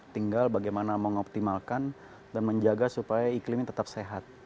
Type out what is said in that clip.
tinggal bagaimana mengoptimalkan dan menjaga supaya iklimnya tetap sehat